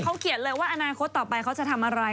เขาเขียนเลยว่าอนาคตต่อไปเขาจะทำอะไร